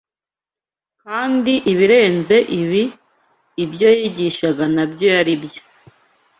Kandi ibirenze ibi; ibyo yigishaga nabyo yari byo